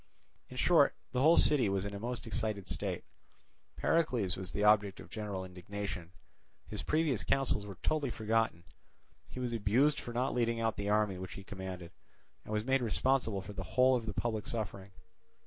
In short, the whole city was in a most excited state; Pericles was the object of general indignation; his previous counsels were totally forgotten; he was abused for not leading out the army which he commanded, and was made responsible for the whole of the public suffering.